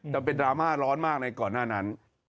แต่เป็นดราม่าร้อนมากในก่อนหน้านั้น